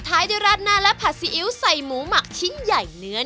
ท้ายด้วยราดหน้าและผัดซีอิ๊วใส่หมูหมักชิ้นใหญ่เนื้อ